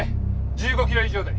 １５キロ以上で。